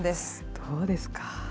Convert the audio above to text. どうですか？